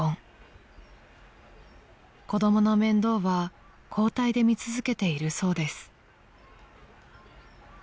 ［子供の面倒は交代で見続けているそうです］